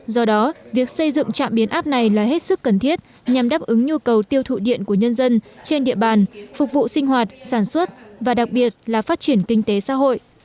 do đó việc xây dựng trạm biến áp này là hết sức cần thiết nhằm đáp ứng nhu cầu tiêu thụ điện của nhân dân trên địa bàn phục vụ sinh hoạt sản xuất và đặc biệt là phát triển kinh tế xã hội